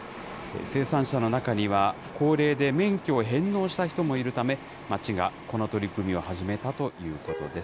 生産者の中には、高齢で免許を返納した人もいるため、町がこの取り組みを始めたということです。